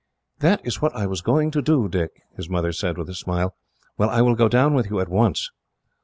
"That is what I was going to do, Dick," his mother said, with a smile. "Well, I will go down with you, at once."